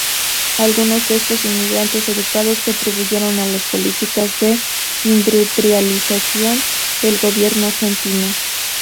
Algunos de estos inmigrantes educados contribuyeron a las políticas de industrialización del gobierno argentino.